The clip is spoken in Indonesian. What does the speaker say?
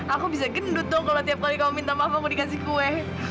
aku bisa gendut dong kalo tiap kali kamu minta maaf aku dikasih kue